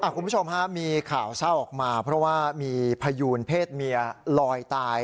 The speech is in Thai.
คุณผู้ชมมีข่าวเศร้าออกมาเพราะว่ามีพยูนเพศเมียลอยตาย